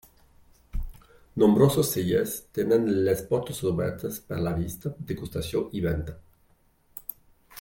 Nombrosos cellers tenen les portes obertes per la visita, degustació i venda.